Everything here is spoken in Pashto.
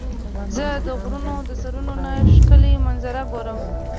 زه د غرونو د سرونو نه ښکلي منظره ګورم.